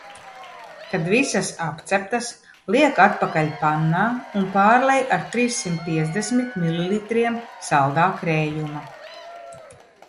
Kad visas apceptas, liek atpakaļ pannā un pārlej ar trīssimt piecdesmit mililitriem saldā krējuma.